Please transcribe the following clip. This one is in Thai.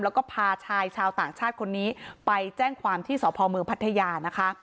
แล้วก็พาชายชาวต่างชาติคนนี้ไปแจ้งความที่สพเมืองพัทยานะคะ